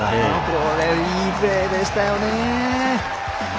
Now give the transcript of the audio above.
これ、いいプレーでしたよね